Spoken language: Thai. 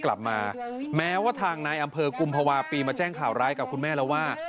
แล้วมนุษย์ห้วงโครมพาวาปีมาแจ้งข่าวร้ายกับคุณแม่แล้วว่า